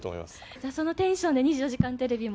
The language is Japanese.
じゃあ、そのテンションで２４時間テレビも？